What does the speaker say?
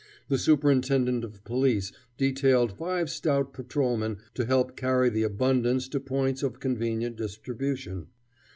The Superintendent of Police detailed five stout patrolmen to help carry the abundance to points of convenient distribution.